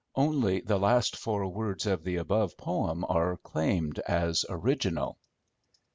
—Only the last four words of the above poem are claimed as original.)